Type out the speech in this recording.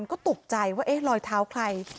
ก็ตกใจว่ารอยเท้าใคร